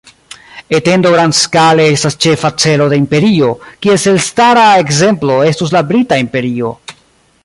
Etendo grandskale estas ĉefa celo de imperio, kies elstara ekzemplo estus la Brita Imperio.